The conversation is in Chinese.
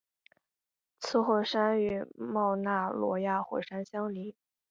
此火山与冒纳罗亚火山相邻。